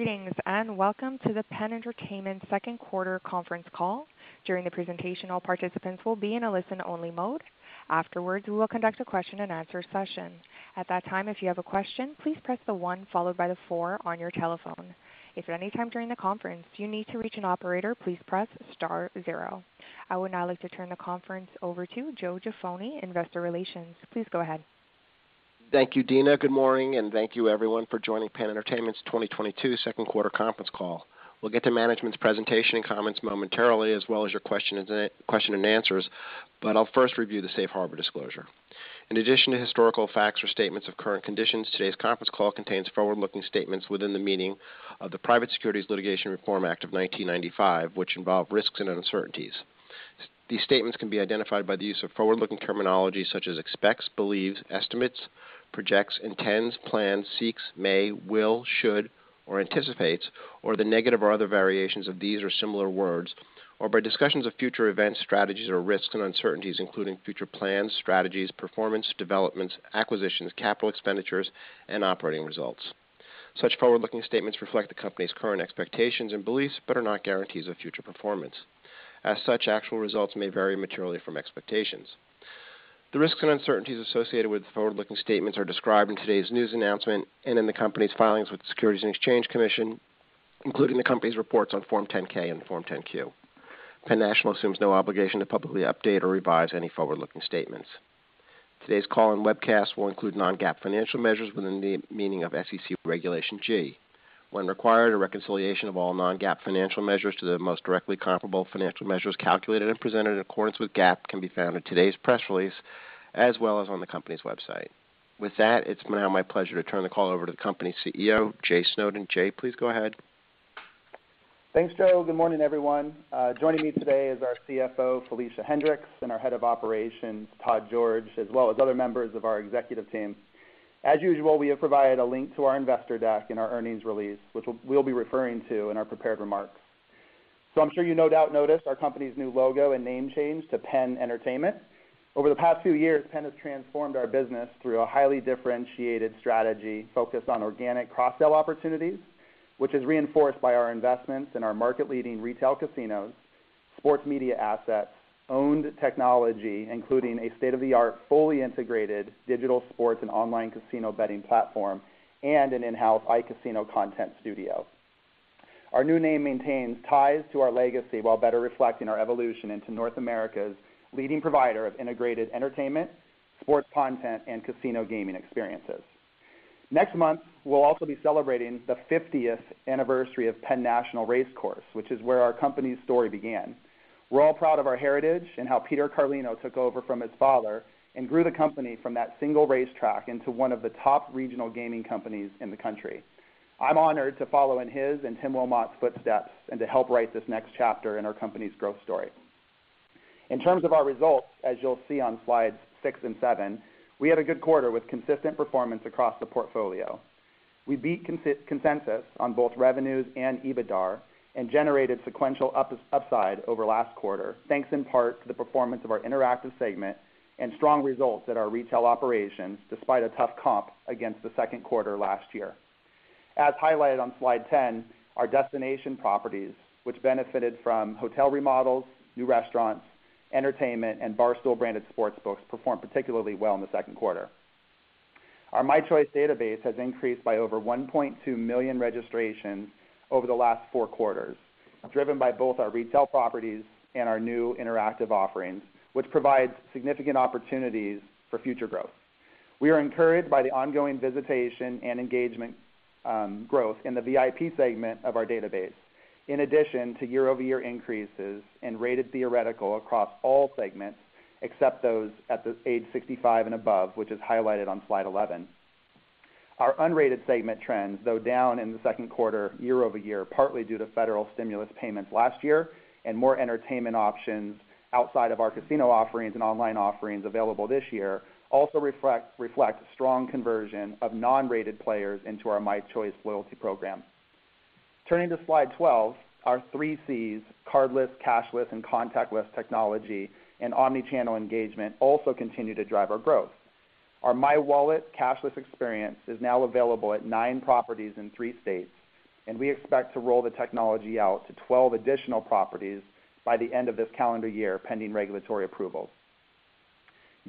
Greetings, and welcome to the PENN Entertainment second quarter conference call. During the presentation, all participants will be in a listen-only mode. Afterwards, we will conduct a question-and-answer session. At that time, if you have a question, please press the one followed by the four on your telephone. If at any time during the conference you need to reach an operator, please press star zero. I would now like to turn the conference over to Joe Jaffoni, Investor Relations. Please go ahead. Thank you, Dina. Good morning, and thank you everyone for joining PENN Entertainment's 2022 second quarter conference call. We'll get to management's presentation and comments momentarily, as well as your question and answers, but I'll first review the safe harbor disclosure. In addition to historical facts or statements of current conditions, today's conference call contains forward-looking statements within the meaning of the Private Securities Litigation Reform Act of 1995, which involve risks and uncertainties. These statements can be identified by the use of forward-looking terminology such as expects, believes, estimates, projects, intends, plans, seeks, may, will, should, or anticipates, or the negative or other variations of these or similar words, or by discussions of future events, strategies, or risks and uncertainties, including future plans, strategies, performance, developments, acquisitions, capital expenditures, and operating results. Such forward-looking statements reflect the company's current expectations and beliefs, but are not guarantees of future performance. As such, actual results may vary materially from expectations. The risks and uncertainties associated with the forward-looking statements are described in today's news announcement and in the company's filings with the Securities and Exchange Commission, including the company's reports on Form 10-K and Form 10-Q. PENN Entertainment assumes no obligation to publicly update or revise any forward-looking statements. Today's call and webcast will include non-GAAP financial measures within the meaning of SEC Regulation G. When required, a reconciliation of all non-GAAP financial measures to the most directly comparable financial measures calculated and presented in accordance with GAAP can be found in today's press release, as well as on the company's website. With that, it's now my pleasure to turn the call over to the company's CEO, Jay Snowden. Jay, please go ahead. Thanks, Joe. Good morning, everyone. Joining me today is our CFO, Felicia Hendrix, and our Head of Operations, Todd George, as well as other members of our executive team. As usual, we have provided a link to our investor deck in our earnings release, which we'll be referring to in our prepared remarks. I'm sure you no doubt noticed our company's new logo and name change to PENN Entertainment. Over the past few years, PENN has transformed our business through a highly differentiated strategy focused on organic cross-sell opportunities, which is reinforced by our investments in our market-leading retail casinos, sports media assets, owned technology, including a state-of-the-art, fully integrated digital sports and online casino betting platform, and an in-house iCasino content studio. Our new name maintains ties to our legacy while better reflecting our evolution into North America's leading provider of integrated entertainment, sports content, and casino gaming experiences. Next month, we'll also be celebrating the 50th anniversary of PENN National Race Course, which is where our company's story began. We're all proud of our heritage and how Peter Carlino took over from his father and grew the company from that single racetrack into one of the top regional gaming companies in the country. I'm honored to follow in his and Tim Wilmott's footsteps and to help write this next chapter in our company's growth story. In terms of our results, as you'll see on slides six and seven, we had a good quarter with consistent performance across the portfolio. We beat consensus on both revenues and EBITDA and generated sequential upside over last quarter, thanks in part to the performance of our interactive segment and strong results at our retail operations, despite a tough comp against the second quarter last year. As highlighted on slide 10, our destination properties, which benefited from hotel remodels, new restaurants, entertainment, and Barstool-branded sportsbooks, performed particularly well in the second quarter. Our mychoice database has increased by over 1.2 million registrations over the last four quarters, driven by both our retail properties and our new interactive offerings, which provides significant opportunities for future growth. We are encouraged by the ongoing visitation and engagement, growth in the VIP segment of our database, in addition to year-over-year increases in rated theoretical across all segments, except those at the age 65 and above, which is highlighted on slide 11. Our unrated segment trends, though down in the second quarter year-over-year, partly due to federal stimulus payments last year and more entertainment options outside of our casino offerings and online offerings available this year, also reflect strong conversion of non-rated players into our mychoice loyalty program. Turning to slide 12, our three Cs, cardless, cashless, and contactless technology and omni-channel engagement also continue to drive our growth. Our mywallet cashless experience is now available at nine properties in three states, and we expect to roll the technology out to 12 additional properties by the end of this calendar year, pending regulatory approval.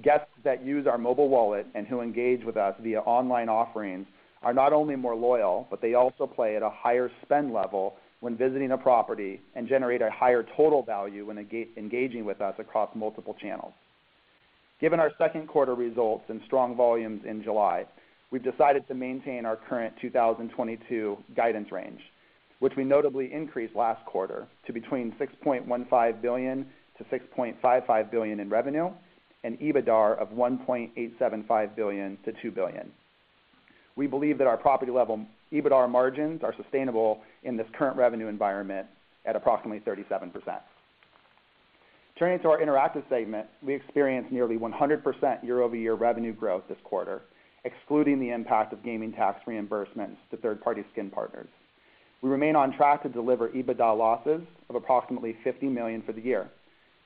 Guests that use our mobile wallet and who engage with us via online offerings are not only more loyal, but they also play at a higher spend level when visiting a property and generate a higher total value when engaging with us across multiple channels. Given our second quarter results and strong volumes in July, we've decided to maintain our current 2022 guidance range, which we notably increased last quarter to between $6.15 billion-$6.55 billion in revenue and EBITDA of $1.875 billion-$2 billion. We believe that our property-level EBITDA margins are sustainable in this current revenue environment at approximately 37%. Turning to our interactive segment, we experienced nearly 100% year-over-year revenue growth this quarter, excluding the impact of gaming tax reimbursements to third-party skin partners. We remain on track to deliver EBITDA losses of approximately $50 million for the year.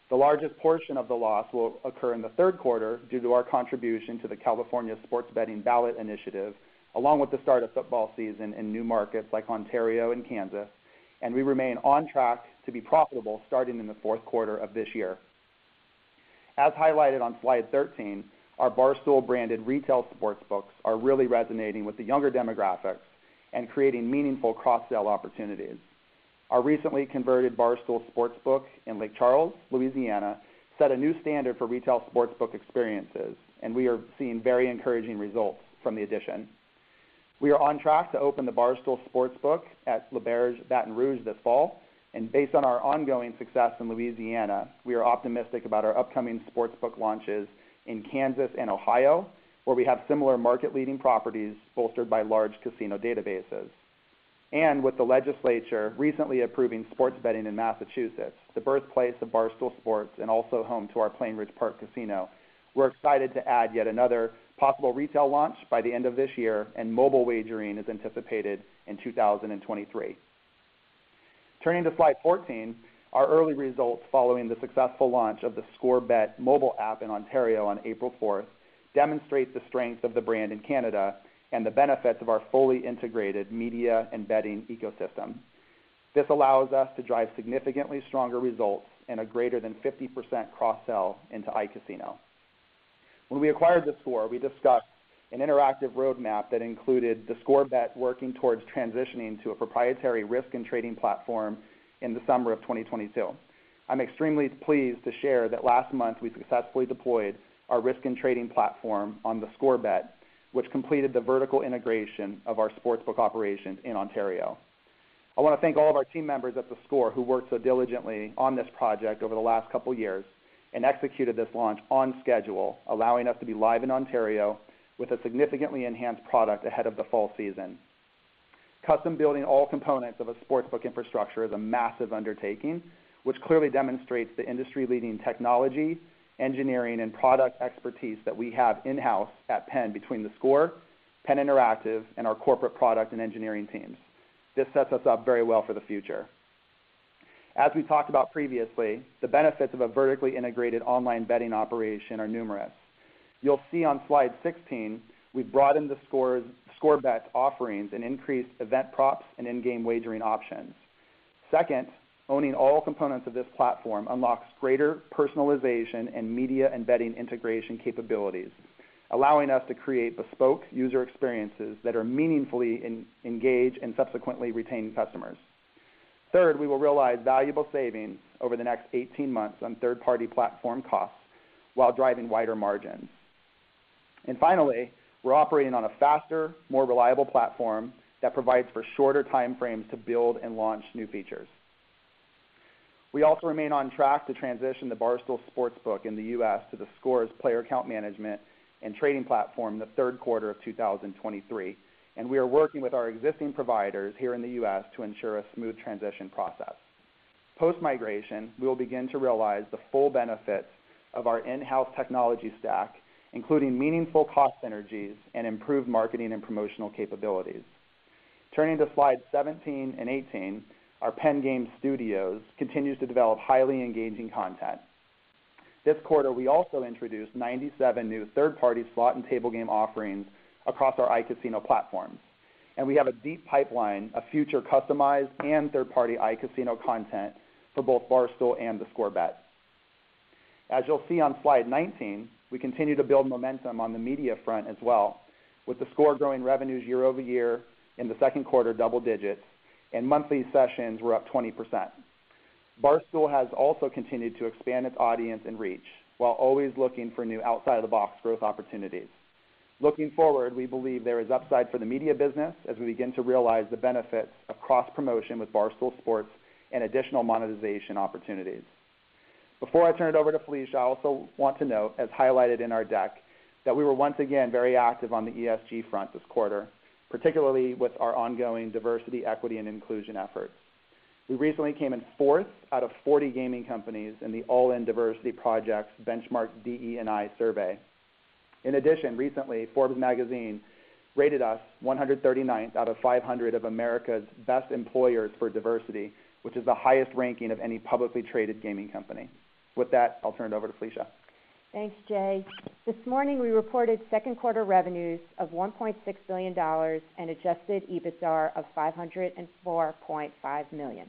The largest portion of the loss will occur in the third quarter due to our contribution to the California sports betting ballot initiative, along with the start of football season in new markets like Ontario and Kansas, and we remain on track to be profitable starting in the fourth quarter of this year. As highlighted on slide 13, our Barstool branded retail sports books are really resonating with the younger demographics and creating meaningful cross-sell opportunities. Our recently converted Barstool sports book in Lake Charles, Louisiana, set a new standard for retail sports book experiences, and we are seeing very encouraging results from the addition. We are on track to open the Barstool Sportsbook at L'Auberge Baton Rouge this fall, and based on our ongoing success in Louisiana, we are optimistic about our upcoming Sportsbook launches in Kansas and Ohio, where we have similar market-leading properties bolstered by large casino databases. With the legislature recently approving sports betting in Massachusetts, the birthplace of Barstool Sports and also home to our Plainridge Park Casino, we're excited to add yet another possible retail launch by the end of this year, and mobile wagering is anticipated in 2023. Turning to slide 14, our early results following the successful launch of theScore Bet mobile app in Ontario on April fourth demonstrate the strength of the brand in Canada and the benefits of our fully integrated media and betting ecosystem. This allows us to drive significantly stronger results and a greater than 50% cross-sell into iCasino. When we acquired theScore, we discussed an interactive roadmap that included theScore Bet working towards transitioning to a proprietary risk and trading platform in the summer of 2022. I'm extremely pleased to share that last month we successfully deployed our risk and trading platform on theScore Bet, which completed the vertical integration of our sports book operations in Ontario. I want to thank all of our team members at theScore who worked so diligently on this project over the last couple years and executed this launch on schedule, allowing us to be live in Ontario with a significantly enhanced product ahead of the fall season. Custom building all components of a sports book infrastructure is a massive undertaking which clearly demonstrates the industry-leading technology, engineering and product expertise that we have in-house at PENN between theScore, PENN Interactive, and our corporate product and engineering teams. This sets us up very well for the future. As we talked about previously, the benefits of a vertically integrated online betting operation are numerous. You'll see on slide 16, we've broadened theScore Bet's offerings and increased event props and in-game wagering options. Second, owning all components of this platform unlocks greater personalization and media and betting integration capabilities, allowing us to create bespoke user experiences that are meaningfully engage and subsequently retain customers. Third, we will realize valuable savings over the next 18 months on third-party platform costs while driving wider margins. Finally, we're operating on a faster, more reliable platform that provides for shorter time frames to build and launch new features. We also remain on track to transition the Barstool Sportsbook in the U.S. to theScore's player account management and trading platform in the third quarter of 2023, and we are working with our existing providers here in the U.S. to ensure a smooth transition process. Post-migration, we will begin to realize the full benefits of our in-house technology stack, including meaningful cost synergies and improved marketing and promotional capabilities. Turning to slide 17 and 18, our PENN Game Studios continues to develop highly engaging content. This quarter, we also introduced 97 new third-party slot and table game offerings across our iCasino platforms, and we have a deep pipeline of future customized and third-party iCasino content for both Barstool and theScore Bet. As you'll see on slide 19, we continue to build momentum on the media front as well, with theScore growing revenues year over year in the second quarter double digits and monthly sessions were up 20%. Barstool has also continued to expand its audience and reach while always looking for new outside-the-box growth opportunities. Looking forward, we believe there is upside for the media business as we begin to realize the benefits of cross-promotion with Barstool Sports and additional monetization opportunities. Before I turn it over to Felicia, I also want to note, as highlighted in our deck, that we were once again very active on the ESG front this quarter, particularly with our ongoing diversity, equity, and inclusion efforts. We recently came in fourth out of 40 gaming companies in the All-In Diversity Project's benchmark DE&I survey. In addition, recently, Forbes Magazine rated us 139th out of 500 of America's best employers for diversity, which is the highest ranking of any publicly traded gaming company. With that, I'll turn it over to Felicia. Thanks, Jay. This morning, we reported second quarter revenues of $1.6 billion and adjusted EBITDA of $504.5 million.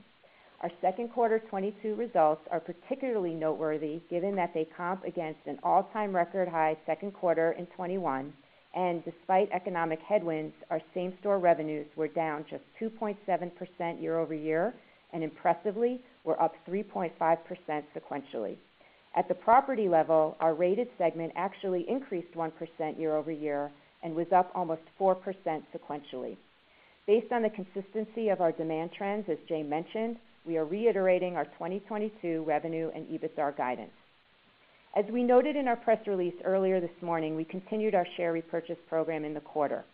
Our second quarter 2022 results are particularly noteworthy given that they comp against an all-time record high second quarter in 2021, and despite economic headwinds, our same-store revenues were down just 2.7% year over year and impressively were up 3.5% sequentially. At the property level, our rated segment actually increased 1% year over year and was up almost 4% sequentially. Based on the consistency of our demand trends, as Jay mentioned, we are reiterating our 2022 revenue and EBITDA guidance. As we noted in our press release earlier this morning, we continued our share repurchase program in the quarter.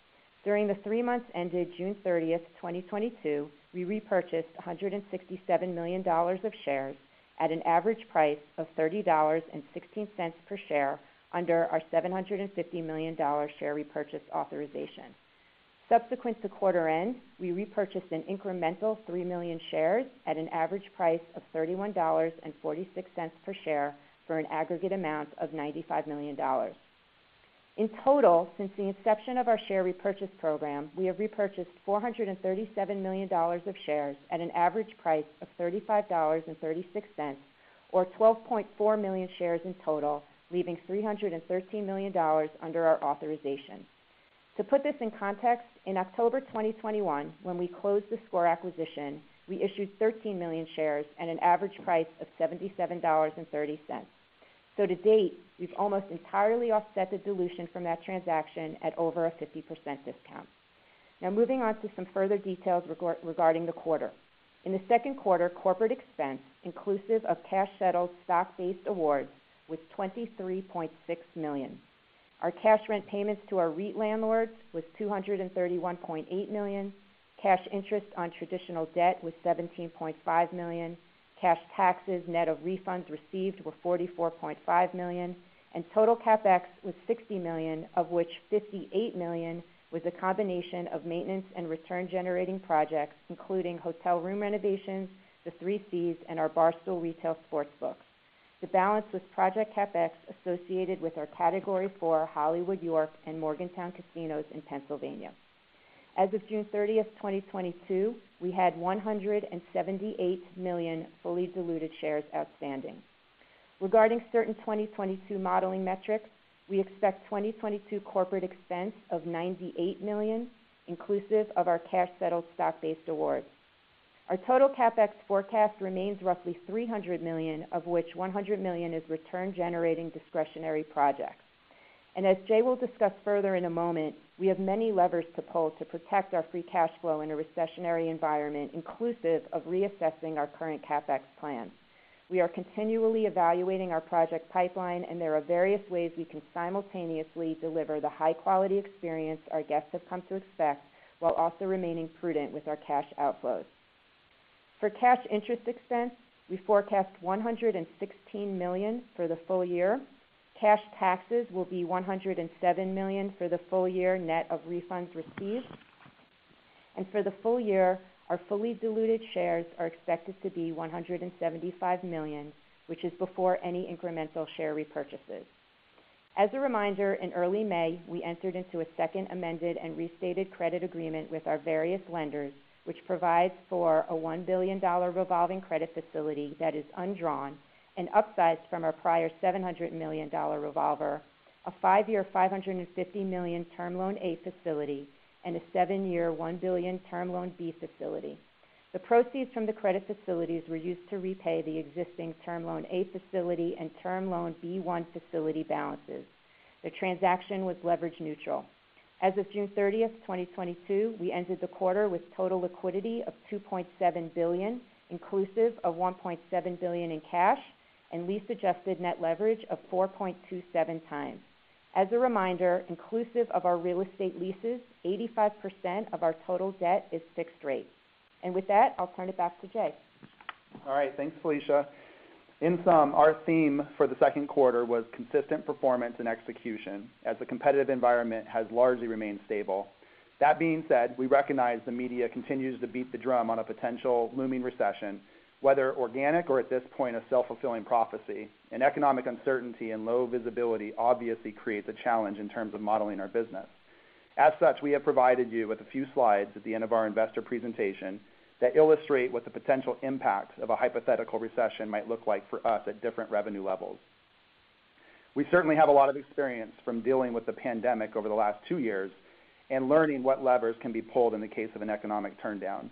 During the three months ended June 30, 2022, we repurchased $167 million of shares at an average price of $30.16 per share under our $750 million share repurchase authorization. Subsequent to quarter end, we repurchased an incremental 3 million shares at an average price of $31.46 per share for an aggregate amount of $95 million. In total, since the inception of our share repurchase program, we have repurchased $437 million of shares at an average price of $35.36, or 12.4 million shares in total, leaving $313 million under our authorization. To put this in context, in October 2021, when we closed the theScore acquisition, we issued 13 million shares at an average price of $77.30. To date, we've almost entirely offset the dilution from that transaction at over a 50% discount. Now moving on to some further details regarding the quarter. In the second quarter, corporate expense, inclusive of cash settled stock-based awards, was $23.6 million. Our cash rent payments to our REIT landlords was $231.8 million. Cash interest on traditional debt was $17.5 million. Cash taxes, net of refunds received, were $44.5 million. Total CapEx was $60 million, of which $58 million was a combination of maintenance and return-generating projects, including hotel room renovations, the three Cs, and our Barstool Retail Sportsbooks. The balance was project CapEx associated with our Category 4 Hollywood York and Morgantown casinos in Pennsylvania. As of June 30, 2022, we had 178 million fully diluted shares outstanding. Regarding certain 2022 modeling metrics, we expect 2022 corporate expense of $98 million, inclusive of our cash settled stock-based awards. Our total CapEx forecast remains roughly $300 million, of which $100 million is return-generating discretionary projects. As Jay will discuss further in a moment, we have many levers to pull to protect our free cash flow in a recessionary environment, inclusive of reassessing our current CapEx plans. We are continually evaluating our project pipeline, and there are various ways we can simultaneously deliver the high-quality experience our guests have come to expect while also remaining prudent with our cash outflows. For cash interest expense, we forecast $116 million for the full year. Cash taxes will be $107 million for the full year net of refunds received. For the full year, our fully diluted shares are expected to be 175 million, which is before any incremental share repurchases. As a reminder, in early May, we entered into a second amended and restated credit agreement with our various lenders, which provides for a $1 billion revolving credit facility that is undrawn and upsized from our prior $700 million revolver, a five-year, $550 million term loan A facility, and a seven-year, $1 billion term loan B facility. The proceeds from the credit facilities were used to repay the existing term loan A facility and term loan B1 facility balances. The transaction was leverage neutral. As of June 30, 2022, we ended the quarter with total liquidity of $2.7 billion, inclusive of $1.7 billion in cash and lease-adjusted net leverage of 4.27x. As a reminder, inclusive of our real estate leases, 85% of our total debt is fixed rate. With that, I'll turn it back to Jay. All right. Thanks, Felicia. In sum, our theme for the second quarter was consistent performance and execution as the competitive environment has largely remained stable. That being said, we recognize the media continues to beat the drum on a potential looming recession, whether organic or at this point, a self-fulfilling prophecy, and economic uncertainty and low visibility obviously creates a challenge in terms of modeling our business. As such, we have provided you with a few slides at the end of our investor presentation that illustrate what the potential impact of a hypothetical recession might look like for us at different revenue levels. We certainly have a lot of experience from dealing with the pandemic over the last two years and learning what levers can be pulled in the case of an economic turndown.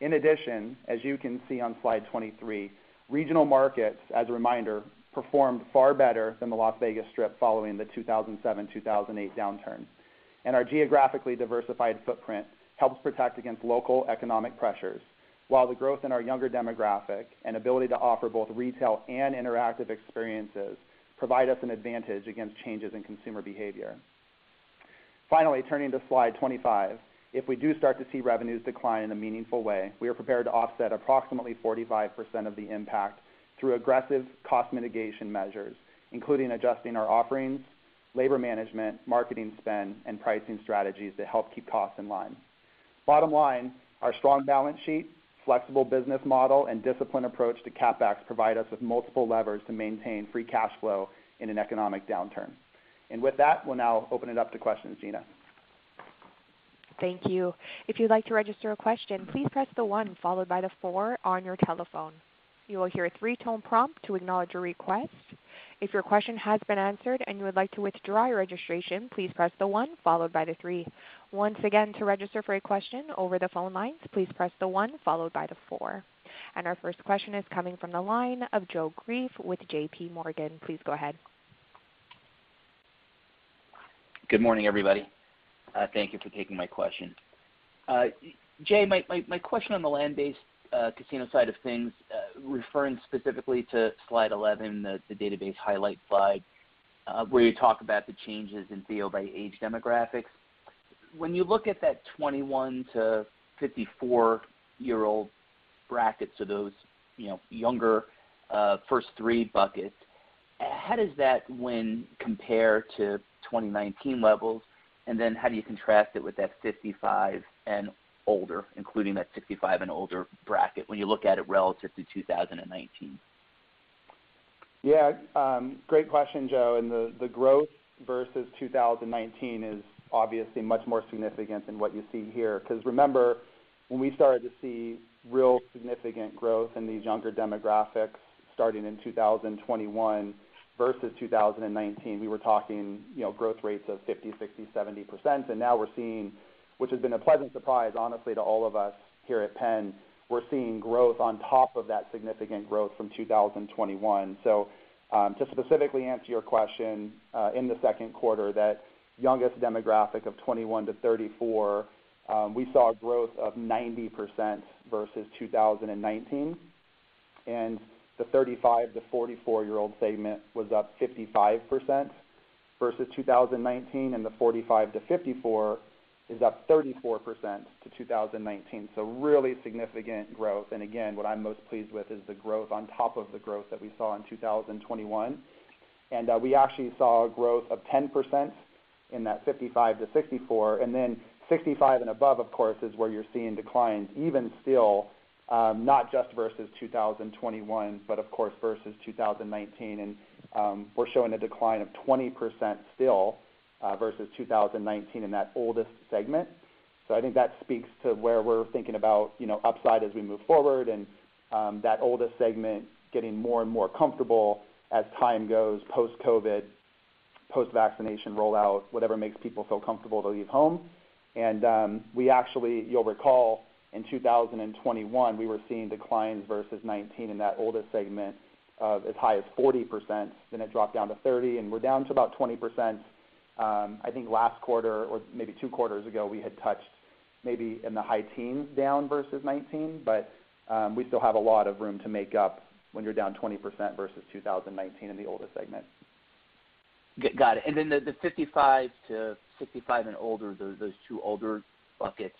In addition, as you can see on slide 23, regional markets, as a reminder, performed far better than the Las Vegas Strip following the 2007, 2008 downturn. Our geographically diversified footprint helps protect against local economic pressures. While the growth in our younger demographic and ability to offer both retail and interactive experiences provide us an advantage against changes in consumer behavior. Finally, turning to slide 25. If we do start to see revenues decline in a meaningful way, we are prepared to offset approximately 45% of the impact through aggressive cost mitigation measures, including adjusting our offerings, labor management, marketing spend, and pricing strategies to help keep costs in line. Bottom line, our strong balance sheet, flexible business model, and disciplined approach to CapEx provide us with multiple levers to maintain free cash flow in an economic downturn. With that, we'll now open it up to questions. Gina? Thank you. If you'd like to register a question, please press the one followed by the four on your telephone. You will hear a three-tone prompt to acknowledge your request. If your question has been answered and you would like to withdraw your registration, please press the one followed by the three. Once again, to register for a question over the phone lines, please press the one followed by the four. Our first question is coming from the line of Joe Greff with JPMorgan. Please go ahead. Good morning, everybody. Thank you for taking my question. Jay, my question on the land-based casino side of things, referring specifically to slide 11, the database highlight slide, where you talk about the changes in field by age demographics. When you look at that 21- to 54-year-old brackets, so those, you know, younger, first three buckets. How does that win compare to 2019 levels? Then how do you contrast it with that 55 and older, including that 65 and older bracket when you look at it relative to 2019? Yeah, great question, Joe. The growth versus 2019 is obviously much more significant than what you see here. Because remember, when we started to see real significant growth in these younger demographics starting in 2021 versus 2019, we were talking growth rates of 50%, 60%, 70%. Now we're seeing, which has been a pleasant surprise, honestly, to all of us here at PENN, we're seeing growth on top of that significant growth from 2021. To specifically answer your question, in the second quarter, that youngest demographic of 21 to 34, we saw a growth of 90% versus 2019. The 35 to 44-year-old segment was up 55% versus 2019. The 45 to 54 is up 34% versus 2019. Really significant growth. Again, what I'm most pleased with is the growth on top of the growth that we saw in 2021. We actually saw a growth of 10% in that 55-64. 65 and above, of course, is where you're seeing declines, even still not just versus 2021, but of course versus 2019. We're showing a decline of 20% still versus 2019 in that oldest segment. I think that speaks to where we're thinking about upside as we move forward and that oldest segment getting more and more comfortable as time goes post-COVID, post-vaccination rollout, whatever makes people feel comfortable to leave home. We actually, you'll recall in 2021, we were seeing declines versus 2019 in that oldest segment of as high as 40%. It dropped down to 30%. We're down to about 20%. I think last quarter or maybe two quarters ago, we had touched maybe in the high teens down versus 2019. We still have a lot of room to make up when you're down 20% versus 2019 in the oldest segment. Got it. Then the 55-65 and older, those two older buckets,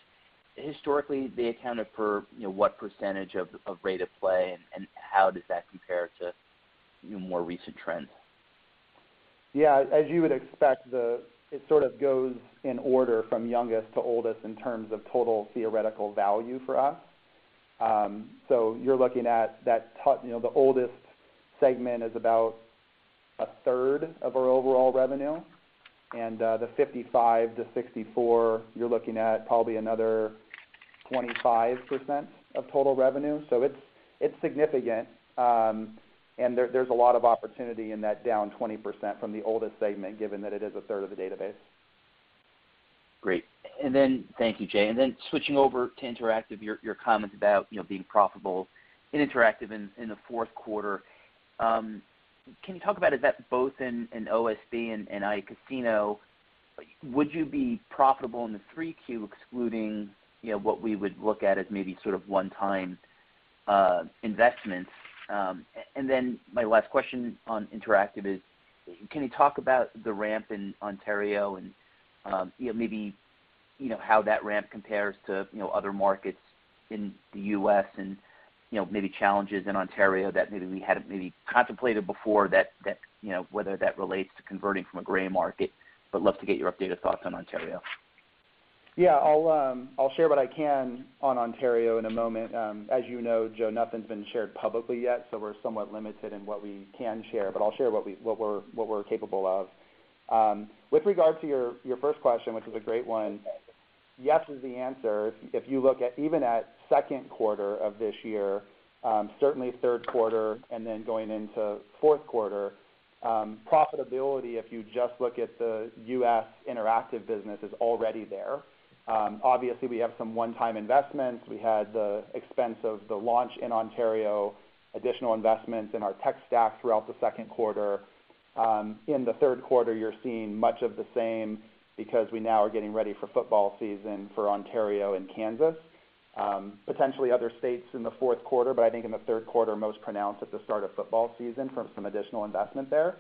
historically, they accounted for what percentage of rate of play and how does that compare to more recent trends? Yeah, as you would expect, it sort of goes in order from youngest to oldest in terms of total theoretical value for us. You're looking at that the oldest segment is about a third of our overall revenue. The 55-64, you're looking at probably another 25% of total revenue. It's significant. There's a lot of opportunity in that down 20% from the oldest segment, given that it is a third of the database. Great. Thank you, Jay. Switching over to interactive, your comments about being profitable in interactive in the fourth quarter. Can you talk about is that both in OSB and iCasino? Would you be profitable in the 3Q excluding what we would look at as maybe sort of one-time investments? My last question on interactive is, can you talk about the ramp in Ontario and maybe how that ramp compares to other markets in the U.S. and maybe challenges in Ontario that maybe we hadn't maybe contemplated before that whether that relates to converting from a gray market, but love to get your updated thoughts on Ontario. Yeah, I'll share what I can on Ontario in a moment. As you know, Joe, nothing's been shared publicly yet. We're somewhat limited in what we can share, but I'll share what we're capable of. With regard to your first question, which is a great one, yes is the answer. If you look at even at second quarter of this year, certainly third quarter, and then going into fourth quarter, profitability, if you just look at the U.S. interactive business is already there. Obviously, we have some one-time investments. We had the expense of the launch in Ontario, additional investments in our tech stack throughout the second quarter. In the third quarter, you're seeing much of the same because we now are getting ready for football season for Ontario and Kansas, potentially other states in the fourth quarter. I think in the third quarter, most pronounced at the start of football season from some additional investment there.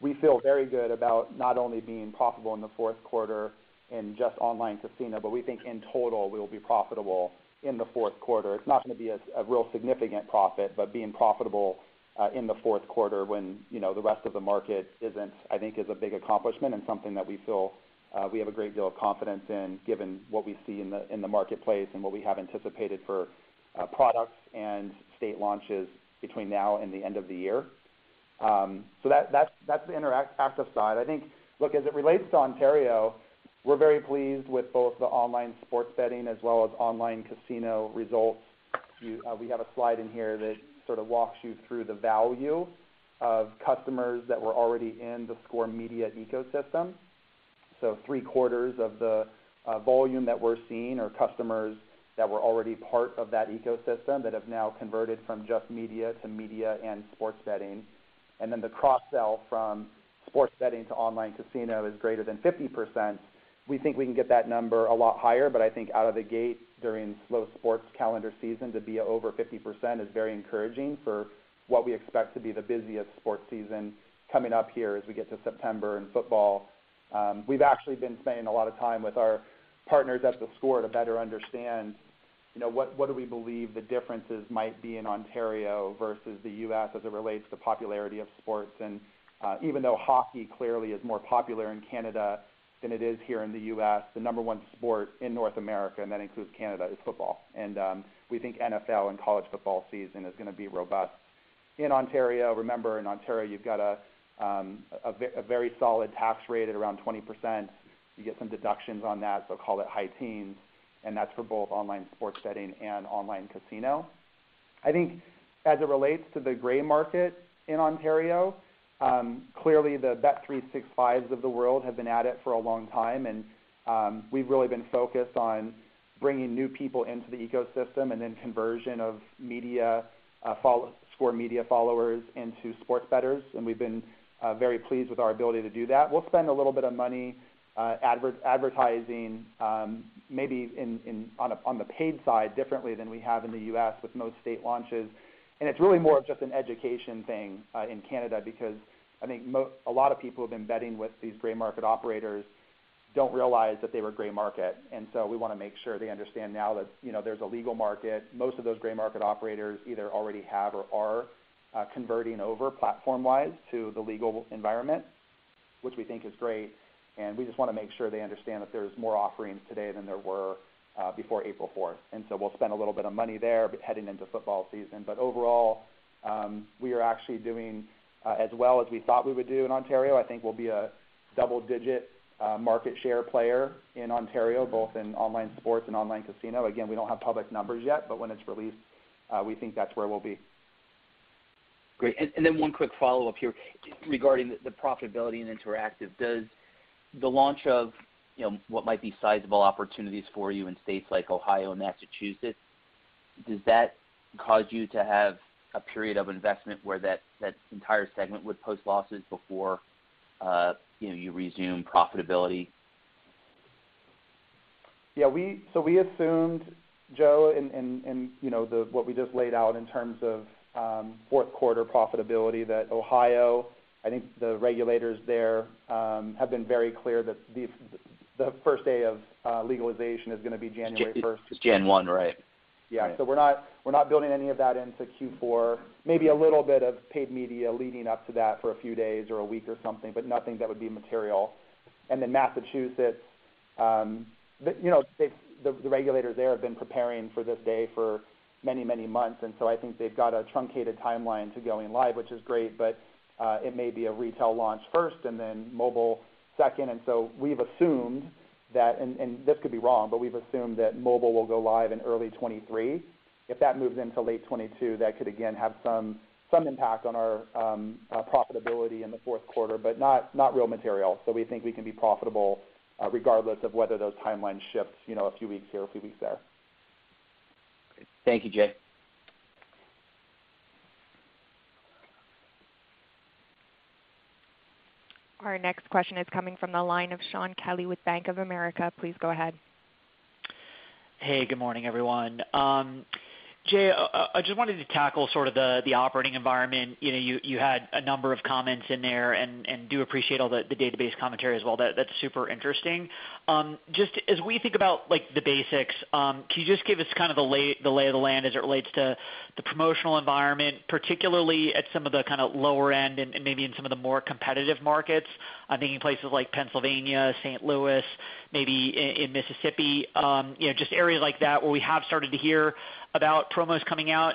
We feel very good about not only being profitable in the fourth quarter in just online casino, but we think in total, we will be profitable in the fourth quarter. It's not going to be a real significant profit, but being profitable in the fourth quarter when the rest of the market isn't, I think is a big accomplishment and something that we feel we have a great deal of confidence in given what we see in the marketplace and what we have anticipated for products and state launches between now and the end of the year. That's the interactive side. I think, look, as it relates to Ontario, we're very pleased with both the online sports betting as well as online casino results. We have a slide in here that sort of walks you through the value of customers that were already in the theScore media ecosystem. Three quarters of the volume that we're seeing are customers that were already part of that ecosystem that have now converted from just media to media and sports betting. The cross sell from sports betting to online casino is greater than 50%. We think we can get that number a lot higher, but I think out of the gate during slow sports calendar season to be over 50% is very encouraging for what we expect to be the busiest sports season coming up here as we get to September and football. We've actually been spending a lot of time with our partners at theScore to better understand. You know, what do we believe the differences might be in Ontario versus the U.S. as it relates to popularity of sports? Even though hockey clearly is more popular in Canada than it is here in the U.S., the number one sport in North America, and that includes Canada, is football. We think NFL and college football season is gonna be robust. In Ontario, remember, in Ontario, you've got a very solid tax rate at around 20%. You get some deductions on that, so call it high teens, and that's for both online sports betting and online casino. I think as it relates to the gray market in Ontario, clearly, the bet365s of the world have been at it for a long time. We've really been focused on bringing new people into the ecosystem and then conversion of media sports media followers into sports bettors. We've been very pleased with our ability to do that. We'll spend a little bit of money advertising maybe on the paid side differently than we have in the U.S. with most state launches. It's really more of just an education thing in Canada because I think a lot of people have been betting with these gray market operators don't realize that they were gray market. We wanna make sure they understand now that, you know, there's a legal market. Most of those gray market operators either already have or are converting over platform-wise to the legal environment, which we think is great. We just wanna make sure they understand that there's more offerings today than there were before April 4. We'll spend a little bit of money there heading into football season. Overall, we are actually doing as well as we thought we would do in Ontario. I think we'll be a double-digit market share player in Ontario, both in online sports and online casino. Again, we don't have public numbers yet, but when it's released, we think that's where we'll be. Great. One quick follow-up here regarding the profitability in interactive. Does the launch of, you know, what might be sizable opportunities for you in states like Ohio and Massachusetts, does that cause you to have a period of investment where that entire segment would post losses before, you know, you resume profitability? We assumed, Joe, in you know the what we just laid out in terms of fourth quarter profitability that Ohio, I think the regulators there have been very clear that the first day of legalization is gonna be January 1st. It's January 1, right? Yeah. We're not building any of that into Q4. Maybe a little bit of paid media leading up to that for a few days or a week or something, but nothing that would be material. Massachusetts, you know, the regulators there have been preparing for this day for many, many months. I think they've got a truncated timeline to going live, which is great, but it may be a retail launch first and then mobile second. We've assumed that, and this could be wrong, but we've assumed that mobile will go live in early 2023. If that moves into late 2022, that could again have some impact on our profitability in the fourth quarter, but not real material. We think we can be profitable, regardless of whether those timelines shift, you know, a few weeks here or a few weeks there. Thank you, Jay. Our next question is coming from the line of Shaun Kelley with Bank of America. Please go ahead. Hey, good morning, everyone. Jay, I just wanted to tackle sort of the operating environment. You know, you had a number of comments in there and do appreciate all the database commentary as well. That's super interesting. Just as we think about like the basics, can you just give us kind of the lay of the land as it relates to the promotional environment, particularly at some of the kinda lower end and maybe in some of the more competitive markets? I'm thinking places like Pennsylvania, St. Louis, maybe in Mississippi. You know, just areas like that where we have started to hear about promos coming out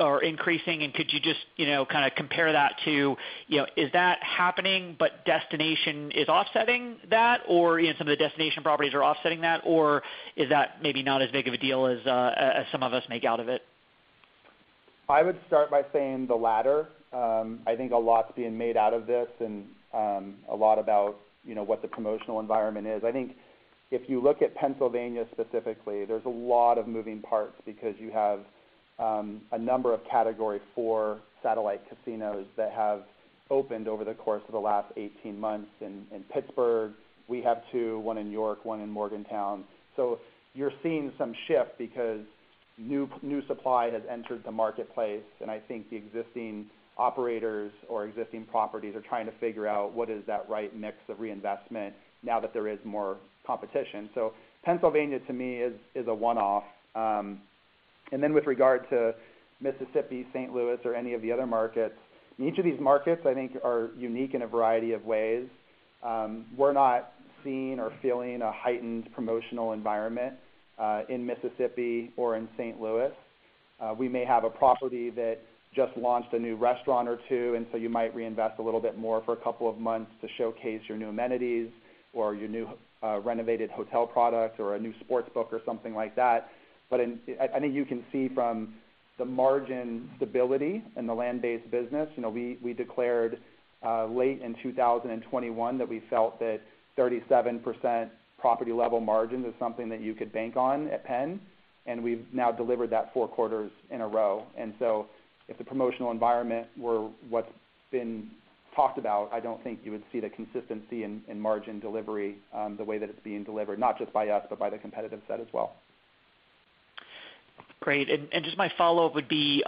or increasing. Could you just, you know, kinda compare that to, you know, is that happening, but destination is offsetting that or, you know, some of the destination properties are offsetting that or is that maybe not as big of a deal as some of us make out of it? I would start by saying the latter. I think a lot's being made out of this and, a lot about, you know, what the promotional environment is. I think if you look at Pennsylvania specifically, there's a lot of moving parts because you have, a number of Category 4 satellite casinos that have opened over the course of the last 18 months. In Pittsburgh, we have two, one in York, one in Morgantown. You're seeing some shift because new supply has entered the marketplace, and I think the existing operators or existing properties are trying to figure out what is that right mix of reinvestment now that there is more competition. Pennsylvania to me is a one-off. With regard to Mississippi, St. Louis or any of the other markets, and each of these markets I think are unique in a variety of ways. We're not seeing or feeling a heightened promotional environment, in Mississippi or in St. Louis. We may have a property that just launched a new restaurant or two, and so you might reinvest a little bit more for a couple of months to showcase your new amenities or your new, renovated hotel product or a new sports book or something like that. But I think you can see from the margin stability in the land-based business. You know, we declared, late in 2021 that we felt that 37% property-level margin is something that you could bank on at PENN, and we've now delivered that four quarters in a row. If the promotional environment were what's been talked about, I don't think you would see the consistency in margin delivery, the way that it's being delivered, not just by us, but by the competitive set as well. Great. Just my follow-up would be,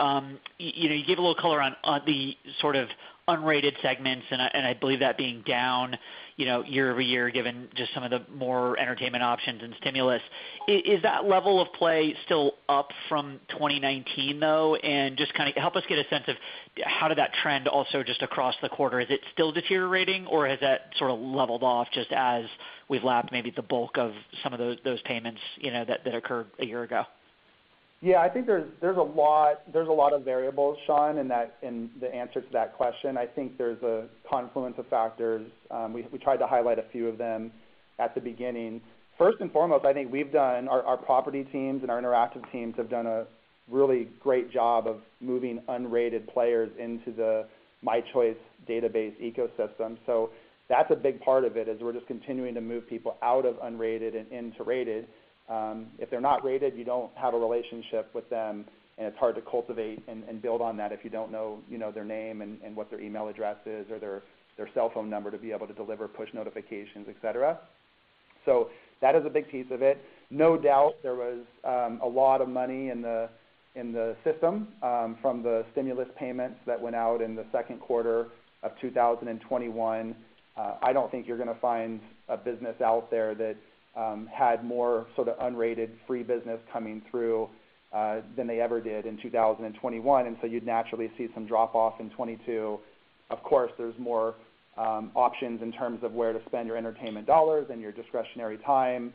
you know, you gave a little color on the sort of unrated segments and I believe that being down, you know, year-over-year, given just some of the more entertainment options and stimulus. Is that level of play still up from 2019, though? Just kinda help us get a sense of how did that trend also just across the quarter? Is it still deteriorating, or has that sort of leveled off just as we've lapped maybe the bulk of some of those payments, you know, that occurred a year ago? Yeah. I think there's a lot of variables, Sean, in that in the answer to that question. I think there's a confluence of factors. We tried to highlight a few of them at the beginning. First and foremost, our property teams and our interactive teams have done a really great job of moving unrated players into the MyChoice database ecosystem. So that's a big part of it, is we're just continuing to move people out of unrated and into rated. If they're not rated, you don't have a relationship with them, and it's hard to cultivate and build on that if you don't know, you know, their name and what their email address is or their cell phone number to be able to deliver push notifications, et cetera. That is a big piece of it. No doubt, there was a lot of money in the system from the stimulus payments that went out in the second quarter of 2021. I don't think you're gonna find a business out there that had more sort of unrated free business coming through than they ever did in 2021, and so you'd naturally see some drop-off in 2022. Of course, there's more options in terms of where to spend your entertainment dollars and your discretionary time.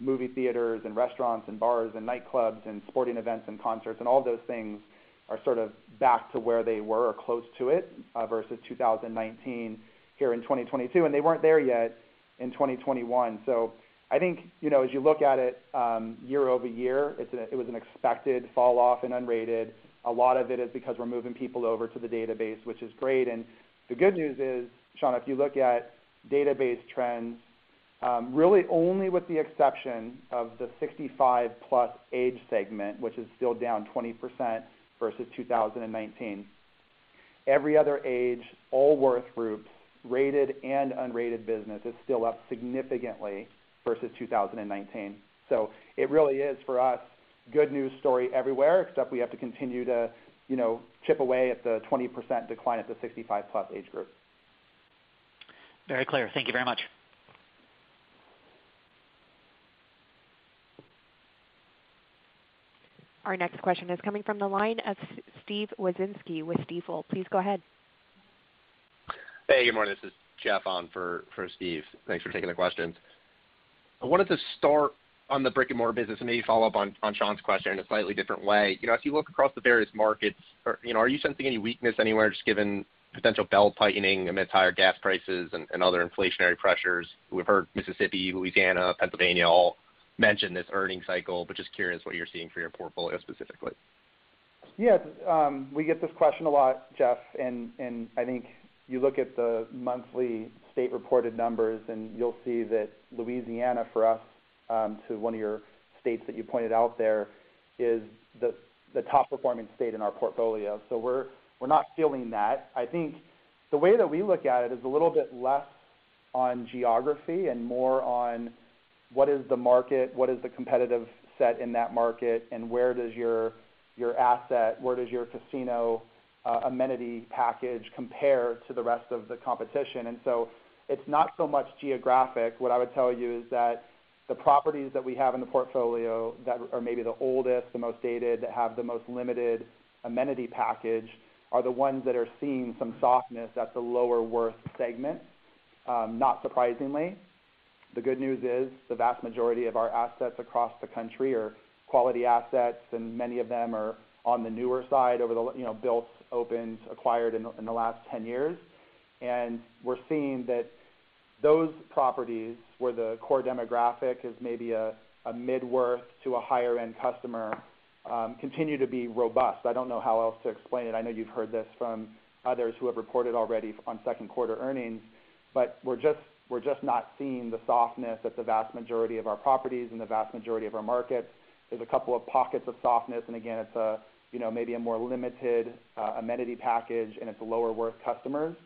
Movie theaters and restaurants and bars and nightclubs and sporting events and concerts and all of those things are sort of back to where they were or close to it versus 2019 here in 2022, and they weren't there yet in 2021. I think, you know, as you look at it, year-over-year, it was an expected fall off in unrated. A lot of it is because we're moving people over to the database, which is great. The good news is, Sean, if you look at database trends, really only with the exception of the 65+ age segment, which is still down 20% versus 2019, every other age, all worth groups, rated and unrated business is still up significantly versus 2019. It really is, for us, good news story everywhere, except we have to continue to, you know, chip away at the 20% decline at the 65+ age group. Very clear. Thank you very much. Our next question is coming from the line of Steve Wieczynski with Stifel. Please go ahead. Hey, good morning. This is Jeff on for Steve. Thanks for taking the questions. I wanted to start on the brick-and-mortar business and maybe follow up on Sean's question in a slightly different way. You know, as you look across the various markets, are you sensing any weakness anywhere just given potential belt tightening amidst higher gas prices and other inflationary pressures? We've heard Mississippi, Louisiana, Pennsylvania all mention this earnings cycle, but just curious what you're seeing for your portfolio specifically. Yeah. We get this question a lot, Jeff, and I think you look at the monthly state-reported numbers, and you'll see that Louisiana, for us, is one of your states that you pointed out there, is the top-performing state in our portfolio. We're not feeling that. I think the way that we look at it is a little bit less on geography and more on what is the market, what is the competitive set in that market, and where does your casino amenity package compare to the rest of the competition. It's not so much geographic. What I would tell you is that the properties that we have in the portfolio that are maybe the oldest, the most dated, that have the most limited amenity package are the ones that are seeing some softness at the lower worth segment, not surprisingly. The good news is the vast majority of our assets across the country are quality assets, and many of them are on the newer side, you know, built, opened, acquired in the last 10 years. We're seeing that those properties where the core demographic is maybe a mid-worth to a higher-end customer, continue to be robust. I don't know how else to explain it. I know you've heard this from others who have reported already on second quarter earnings, but we're just not seeing the softness at the vast majority of our properties and the vast majority of our markets. There's a couple of pockets of softness, and again, it's a you know maybe a more limited amenity package, and it's lower worth customers,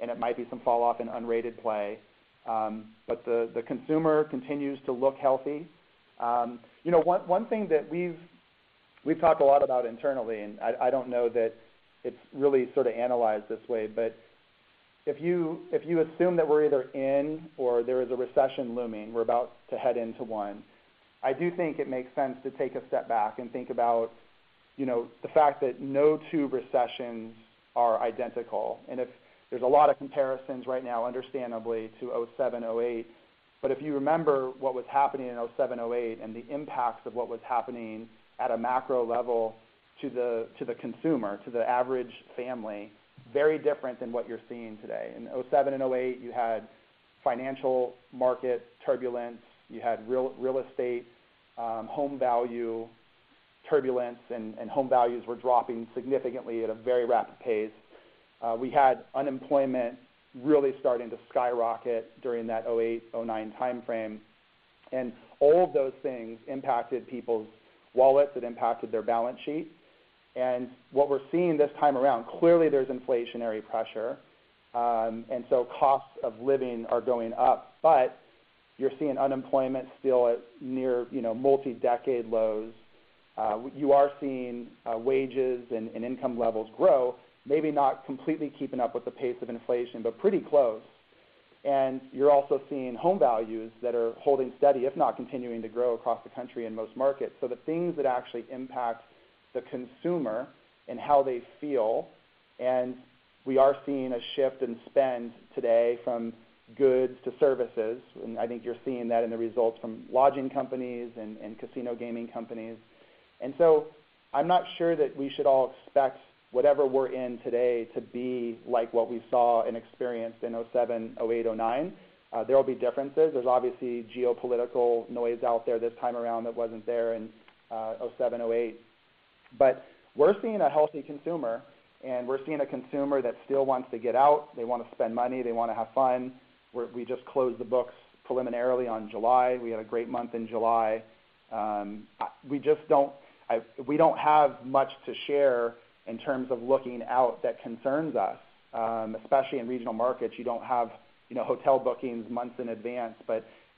and it might be some fall off in unrated play. The consumer continues to look healthy. You know, one thing that we've talked a lot about internally, and I don't know that it's really sort of analyzed this way, but if you assume that we're either in or there is a recession looming, we're about to head into one, I do think it makes sense to take a step back and think about, you know, the fact that no two recessions are identical. If there's a lot of comparisons right now, understandably, to 2007, 2008, but if you remember what was happening in 2007, 2008 and the impacts of what was happening at a macro level to the consumer, to the average family, very different than what you're seeing today. In 2007 and 2008, you had financial market turbulence. You had real estate home value turbulence, and home values were dropping significantly at a very rapid pace. We had unemployment really starting to skyrocket during that 2008, 2009 timeframe. All of those things impacted people's wallets. It impacted their balance sheet. What we're seeing this time around, clearly there's inflationary pressure, and so costs of living are going up. You're seeing unemployment still at near, you know, multi-decade lows. You are seeing wages and income levels grow, maybe not completely keeping up with the pace of inflation, but pretty close. You're also seeing home values that are holding steady, if not continuing to grow across the country in most markets. The things that actually impact the consumer and how they feel, and we are seeing a shift in spend today from goods to services, and I think you're seeing that in the results from lodging companies and casino gaming companies. I'm not sure that we should all expect whatever we're in today to be like what we saw and experienced in 2007, 2008, 2009. There will be differences. There's obviously geopolitical noise out there this time around that wasn't there in 2007, 2008. We're seeing a healthy consumer, and we're seeing a consumer that still wants to get out. They wanna spend money. They wanna have fun. We just closed the books preliminarily on July. We had a great month in July. We don't have much to share in terms of looking out that concerns us, especially in regional markets. You don't have, you know, hotel bookings months in advance.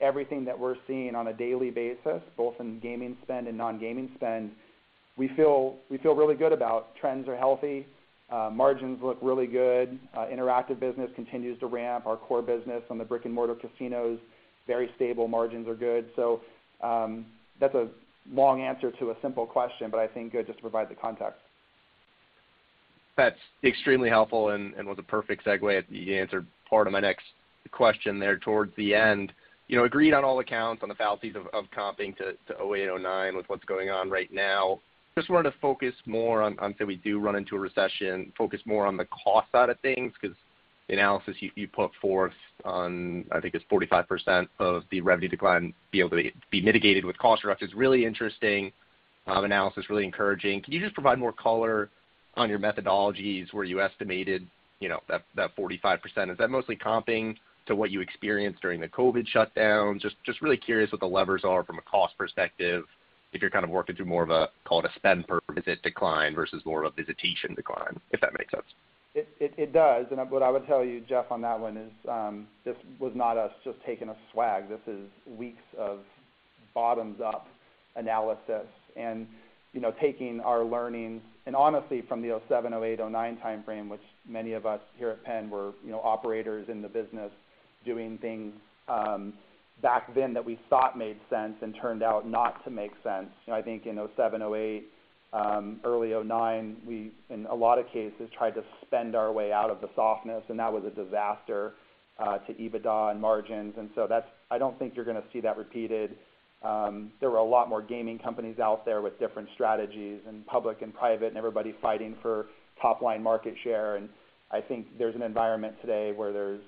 Everything that we're seeing on a daily basis, both in gaming spend and non-gaming spend, we feel really good about. Trends are healthy. Margins look really good. Interactive business continues to ramp. Our core business on the brick-and-mortar casinos, very stable margins are good. That's a long answer to a simple question, but I think good just to provide the context. That's extremely helpful and was a perfect segue. You answered part of my next question there towards the end. You know, agreed on all accounts on the fallacies of comparing to 2008, 2009 with what's going on right now. Just wanted to focus more on say we do run into a recession, focus more on the cost side of things because the analysis you put forth on, I think, it's 45% of the revenue decline be able to be mitigated with cost reductions is really interesting analysis, really encouraging. Can you just provide more color on your methodologies where you estimated, you know, that 45%? Is that mostly comparing to what you experienced during the COVID shutdown? Just really curious what the levers are from a cost perspective if you're kind of working through more of a, call it a spend per visit decline versus more of a visitation decline, if that makes sense? It does. What I would tell you, Jeff, on that one is, this was not us just taking a swag. This is weeks of bottoms-up analysis and, you know, taking our learnings. Honestly, from the 2007, 2008, 2009 timeframe, which many of us here at PENN were, you know, operators in the business doing things, back then that we thought made sense and turned out not to make sense. You know, I think in 2007, 2008, early 2009, we, in a lot of cases, tried to spend our way out of the softness, and that was a disaster to EBITDA and margins. That's. I don't think you're gonna see that repeated. There were a lot more gaming companies out there with different strategies in public and private, and everybody fighting for top-line market share. I think there's an environment today where there's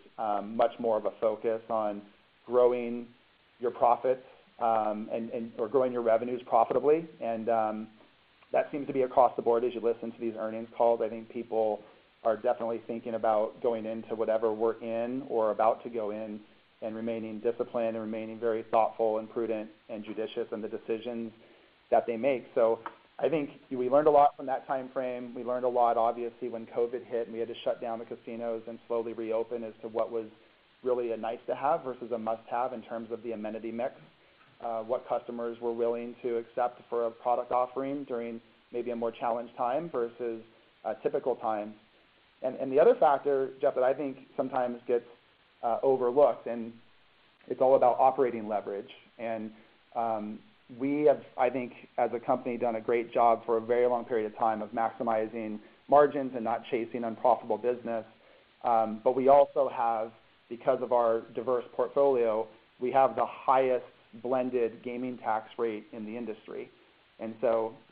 much more of a focus on growing your profits and/or growing your revenues profitably. That seems to be across the board as you listen to these earnings calls. I think people are definitely thinking about going into whatever we're in or about to go in and remaining disciplined and remaining very thoughtful and prudent and judicious in the decisions that they make. I think we learned a lot from that timeframe. We learned a lot, obviously, when COVID hit, and we had to shut down the casinos and slowly reopen as to what was really a nice to have versus a must-have in terms of the amenity mix, what customers were willing to accept for a product offering during maybe a more challenged time versus a typical time. The other factor, Jeff, that I think sometimes gets overlooked, and it's all about operating leverage. We have, I think, as a company, done a great job for a very long period of time of maximizing margins and not chasing unprofitable business. But we also have, because of our diverse portfolio, we have the highest blended gaming tax rate in the industry.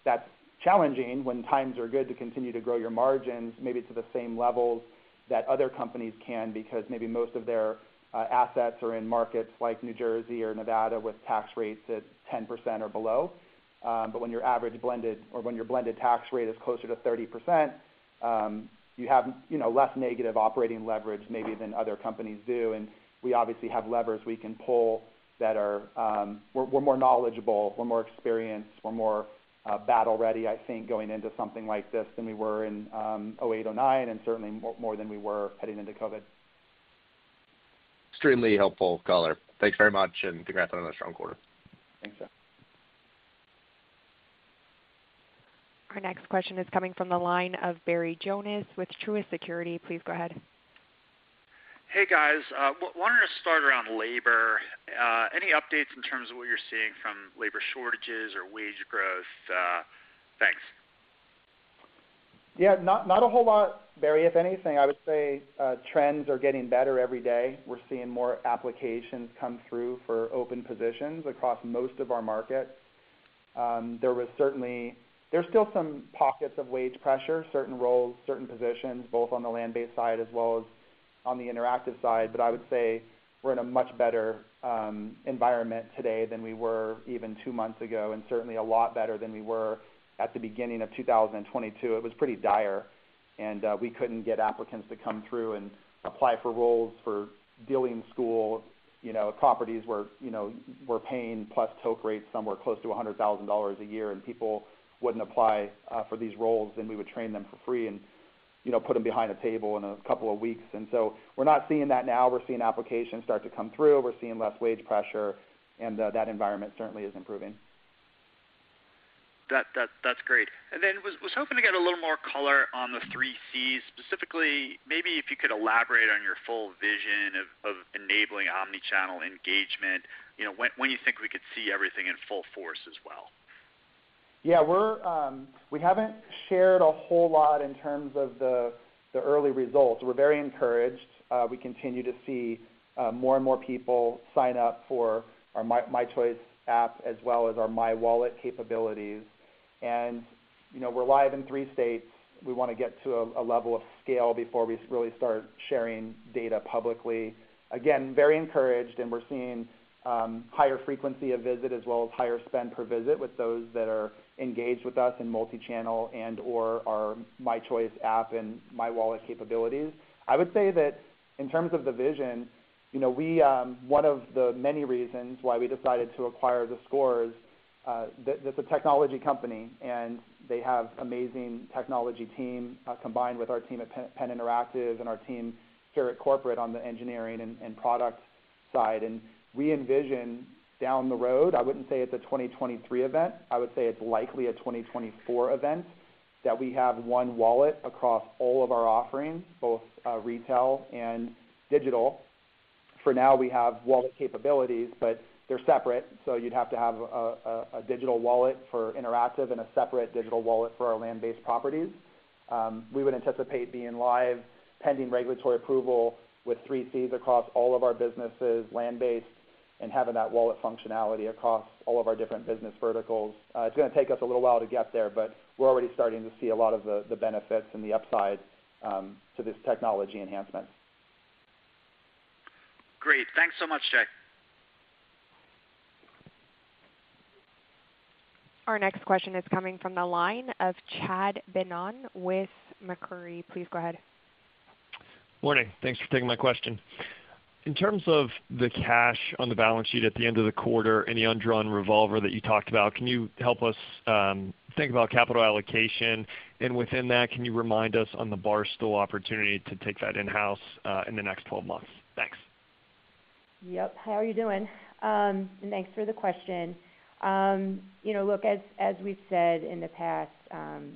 That's challenging when times are good to continue to grow your margins maybe to the same levels that other companies can because maybe most of their assets are in markets like New Jersey or Nevada with tax rates at 10% or below. But when your average blended or when your blended tax rate is closer to 30%, you have, you know, less negative operating leverage maybe than other companies do. We obviously have levers we can pull that are, we're more knowledgeable, we're more experienced, we're more battle ready, I think, going into something like this than we were in 2008, 2009, and certainly more than we were heading into COVID. Extremely helpful color. Thanks very much, and congrats on another strong quarter. Thanks, Jeff. Our next question is coming from the line of Barry Jonas with Truist Securities. Please go ahead. Hey, guys. Wanted to start around labor. Any updates in terms of what you're seeing from labor shortages or wage growth? Thanks. Yeah, not a whole lot, Barry. If anything, I would say trends are getting better every day. We're seeing more applications come through for open positions across most of our markets. There's still some pockets of wage pressure, certain roles, certain positions, both on the land-based side as well as on the interactive side. But I would say we're in a much better environment today than we were even two months ago, and certainly a lot better than we were at the beginning of 2022. It was pretty dire, and we couldn't get applicants to come through and apply for roles for dealing school. You know, properties were paying plus toke rates somewhere close to $100,000 a year, and people wouldn't apply for these roles, and we would train them for free. You know, put them behind a table in a couple of weeks. We're not seeing that now. We're seeing applications start to come through. We're seeing less wage pressure, and that environment certainly is improving. That's great. Was hoping to get a little more color on the three Cs specifically, maybe if you could elaborate on your full vision of enabling omni-channel engagement, you know, when you think we could see everything in full force as well. Yeah. We haven't shared a whole lot in terms of the early results. We're very encouraged. We continue to see more and more people sign up for our MyChoice app as well as our mywallet capabilities. You know, we're live in three states. We wanna get to a level of scale before we really start sharing data publicly. Again, very encouraged, and we're seeing higher frequency of visit as well as higher spend per visit with those that are engaged with us in multichannel and/or our MyChoice app and mywallet capabilities. I would say that in terms of the vision, you know, we, one of the many reasons why we decided to acquire theScore, that it's a technology company, and they have amazing technology team, combined with our team at PENN Interactive and our team here at corporate on the engineering and product side. We envision down the road, I wouldn't say it's a 2023 event, I would say it's likely a 2024 event, that we have one wallet across all of our offerings, both retail and digital. For now, we have wallet capabilities, but they're separate, so you'd have to have a digital wallet for interactive and a separate digital wallet for our land-based properties. We would anticipate being live pending regulatory approval with three Cs across all of our businesses, land-based, and having that wallet functionality across all of our different business verticals. It's gonna take us a little while to get there, but we're already starting to see a lot of the benefits and the upside to this technology enhancement. Great. Thanks so much, Jay. Our next question is coming from the line of Chad Beynon with Macquarie. Please go ahead. Morning. Thanks for taking my question. In terms of the cash on the balance sheet at the end of the quarter and the undrawn revolver that you talked about, can you help us think about capital allocation? Within that, can you remind us on the Barstool opportunity to take that in-house in the next 12 months? Thanks. Yep. How are you doing? Thanks for the question. You know, look, as we've said in the past,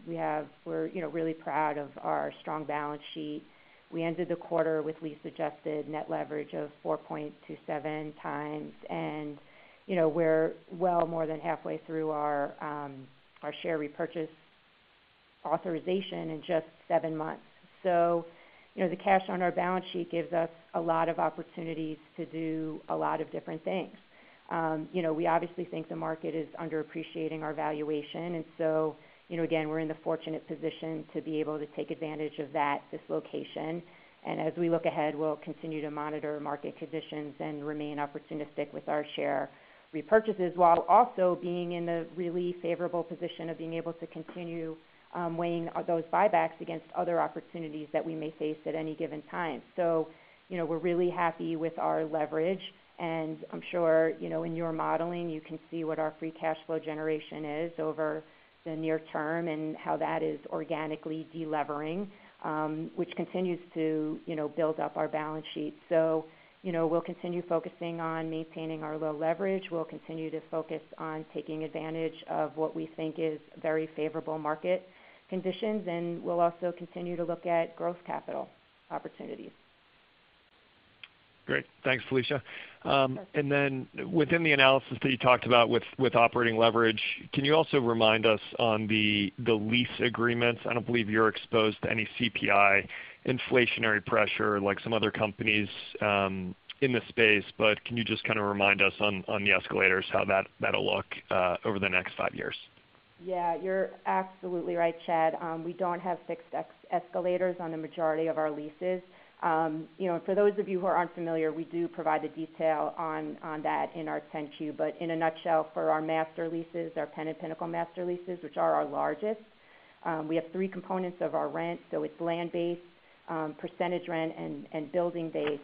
we're, you know, really proud of our strong balance sheet. We ended the quarter with lease-adjusted net leverage of 4.27x, and, you know, we're well more than halfway through our share repurchase authorization in just seven months. You know, the cash on our balance sheet gives us a lot of opportunities to do a lot of different things. You know, we obviously think the market is underappreciating our valuation. You know, again, we're in the fortunate position to be able to take advantage of that dislocation. As we look ahead, we'll continue to monitor market conditions and remain opportunistic with our share repurchases while also being in the really favorable position of being able to continue, weighing those buybacks against other opportunities that we may face at any given time. You know, we're really happy with our leverage, and I'm sure, you know, in your modeling, you can see what our free cash flow generation is over the near term and how that is organically delevering, which continues to, you know, build up our balance sheet. You know, we'll continue focusing on maintaining our low leverage. We'll continue to focus on taking advantage of what we think is very favorable market conditions, and we'll also continue to look at growth capital opportunities. Great. Thanks, Felicia. Within the analysis that you talked about with operating leverage, can you also remind us on the lease agreements? I don't believe you're exposed to any CPI inflationary pressure like some other companies in the space, but can you just kinda remind us on the escalators how that'll look over the next five years? Yeah. You're absolutely right, Chad. We don't have fixed escalators on the majority of our leases. You know, for those of you who aren't familiar, we do provide the detail on that in our 10-Q. In a nutshell, for our master leases, our PENN and Pinnacle master leases, which are our largest, we have three components of our rent. It's land base, percentage rent, and building base.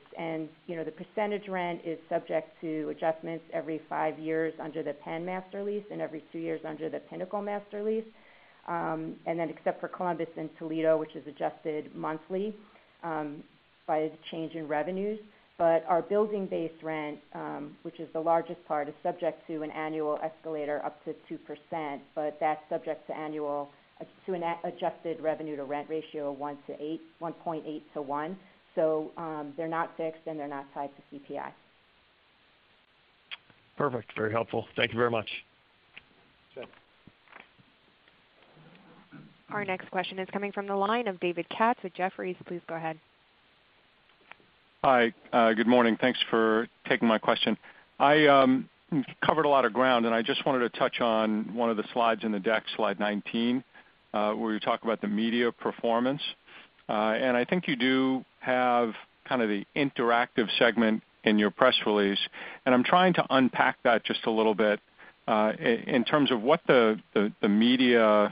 You know, the percentage rent is subject to adjustments every five years under the PENN Master Lease and every two years under the Pinnacle Master Lease. Except for Columbus and Toledo, which is adjusted monthly by the change in revenues. Our building-based rent, which is the largest part, is subject to an annual escalator up to 2%, but that's subject to annual adjusted revenue to rent ratio of 1.8 to 1. They're not fixed, and they're not tied to CPI. Perfect. Very helpful. Thank you very much. Sure. Our next question is coming from the line of David Katz with Jefferies. Please go ahead. Hi. Good morning. Thanks for taking my question. I covered a lot of ground, and I just wanted to touch on one of the slides in the deck, slide 19, where you talk about the media performance. I think you do have kind of the interactive segment in your press release, and I'm trying to unpack that just a little bit, in terms of what the media,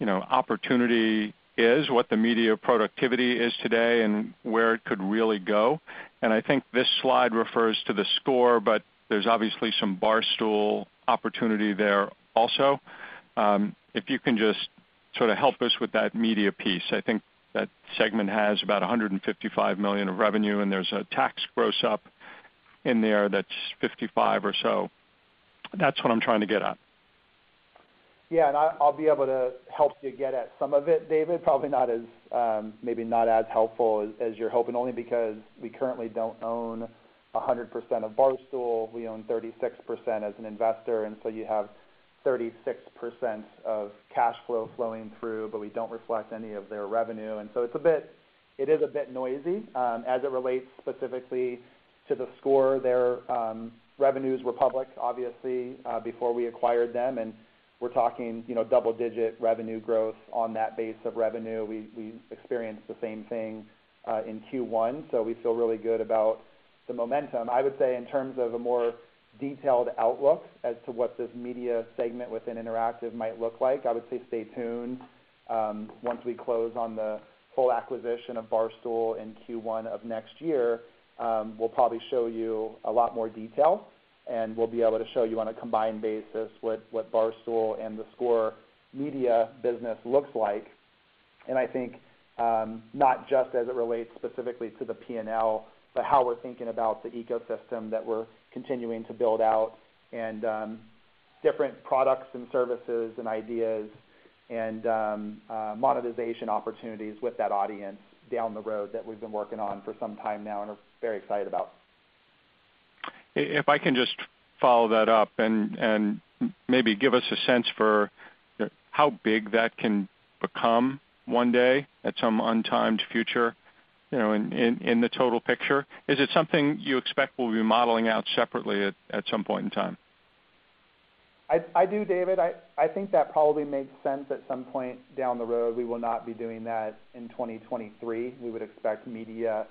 you know, opportunity is, what the media productivity is today, and where it could really go. I think this slide refers to theScore, but there's obviously some Barstool opportunity there also. If you can just sort of help us with that media piece. I think that segment has about $155 million of revenue, and there's a tax gross up. In there that's 55 or so. That's what I'm trying to get at. Yeah. I'll be able to help you get at some of it, David, probably not as helpful as you're hoping, only because we currently don't own 100% of Barstool. We own 36% as an investor, and so you have 36% of cash flow flowing through, but we don't reflect any of their revenue. It's a bit noisy. As it relates specifically to theScore, their revenues were public, obviously, before we acquired them, and we're talking double-digit revenue growth on that base of revenue. We experienced the same thing in Q1, so we feel really good about the momentum. I would say in terms of a more detailed outlook as to what this media segment within interactive might look like, I would say stay tuned. Once we close on the full acquisition of Barstool in Q1 of next year, we'll probably show you a lot more detail, and we'll be able to show you on a combined basis what Barstool and theScore Media business looks like. I think, not just as it relates specifically to the P&L, but how we're thinking about the ecosystem that we're continuing to build out and, different products and services and ideas and, monetization opportunities with that audience down the road that we've been working on for some time now and are very excited about. If I can just follow that up and maybe give us a sense for how big that can become one day at some undetermined future, you know, in the total picture. Is it something you expect we'll be modeling out separately at some point in time? I do, David. I think that probably makes sense at some point down the road. We will not be doing that in 2023. We would expect media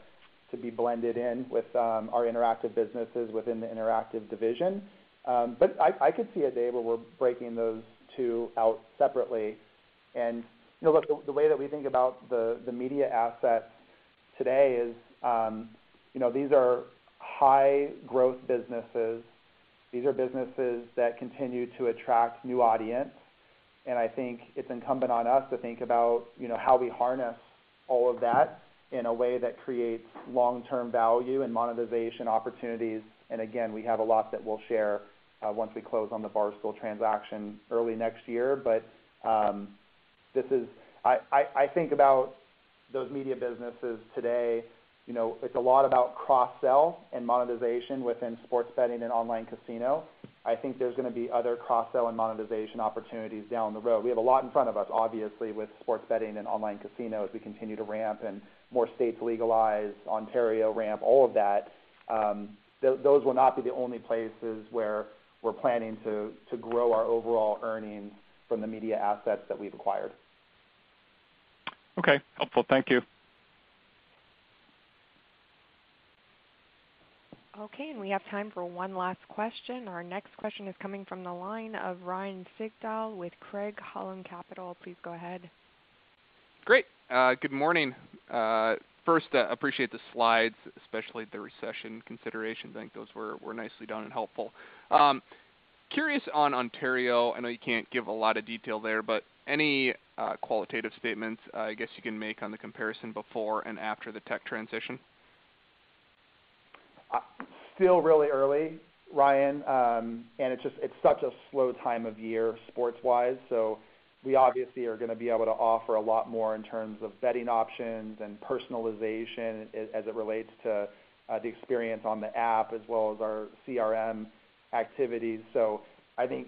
to be blended in with our interactive businesses within the interactive division. But I could see a day where we're breaking those two out separately. You know, look, the way that we think about the media asset today is, you know, these are high growth businesses. These are businesses that continue to attract new audience. I think it's incumbent on us to think about, you know, how we harness all of that in a way that creates long-term value and monetization opportunities. Again, we have a lot that we'll share once we close on the Barstool transaction early next year. I think about those media businesses today, you know, it's a lot about cross-sell and monetization within sports betting and online casino. I think there's gonna be other cross-sell and monetization opportunities down the road. We have a lot in front of us, obviously, with sports betting and online casino as we continue to ramp and more states legalize Ontario ramp, all of that. Those will not be the only places where we're planning to grow our overall earnings from the media assets that we've acquired. Okay. Helpful. Thank you. Okay, we have time for one last question. Our next question is coming from the line of Ryan Sigdahl with Craig-Hallum Capital. Please go ahead. Great. Good morning. First, I appreciate the slides, especially the recession considerations. I think those were nicely done and helpful. Curious on Ontario, I know you can't give a lot of detail there, but any qualitative statements, I guess you can make on the comparison before and after the tech transition? Still really early, Ryan. It's just such a slow time of year sports-wise. We obviously are gonna be able to offer a lot more in terms of betting options and personalization as it relates to the experience on the app as well as our CRM activities. I think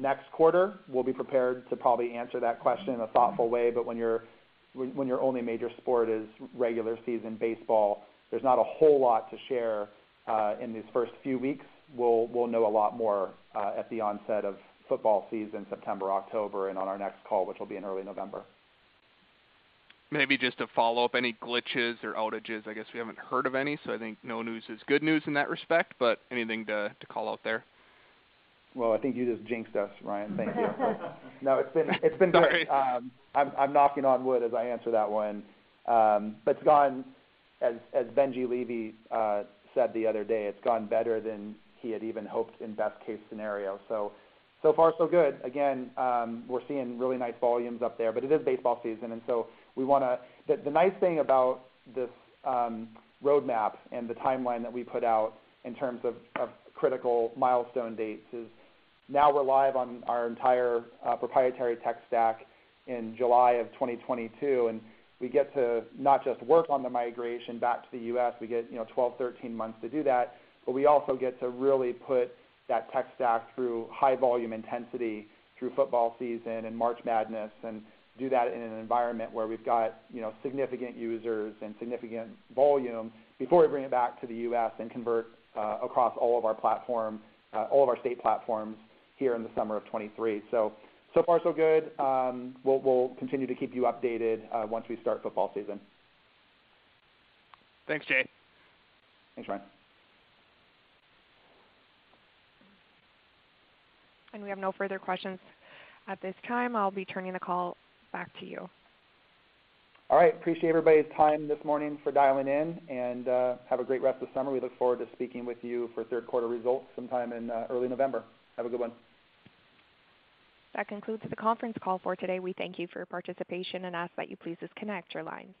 next quarter, we'll be prepared to probably answer that question in a thoughtful way. When your only major sport is regular season baseball, there's not a whole lot to share in these first few weeks. We'll know a lot more at the onset of football season, September, October, and on our next call, which will be in early November. Maybe just to follow up, any glitches or outages? I guess we haven't heard of any, so I think no news is good news in that respect, but anything to call out there? Well, I think you just jinxed us, Ryan. Thank you. No, it's been great. Sorry. I'm knocking on wood as I answer that one. But it's gone as Benjie Levy said the other day, it's gone better than he had even hoped in best case scenario. So far so good. Again, we're seeing really nice volumes up there, but it is baseball season, and so we wanna... The nice thing about this roadmap and the timeline that we put out in terms of critical milestone dates is now we're live on our entire proprietary tech stack in July 2022, and we get to not just work on the migration back to the U.S., we get you know 12, 13 months to do that, but we also get to really put that tech stack through high volume intensity through football season and March Madness and do that in an environment where we've got you know significant users and significant volume before we bring it back to the U.S. and convert across all of our platform, all of our state platforms here in the summer of 2023. So far so good. We'll continue to keep you updated once we start football season. Thanks, Jay. Thanks, Ryan. We have no further questions at this time. I'll be turning the call back to you. All right. Appreciate everybody's time this morning for dialing in, and, have a great rest of the summer. We look forward to speaking with you for third quarter results sometime in, early November. Have a good one. That concludes the conference call for today. We thank you for your participation and ask that you please disconnect your lines.